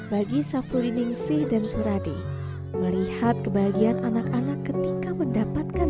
bagi safruni ningsih dan suradi melihat kebahagiaan anak anak ketika mendapatkan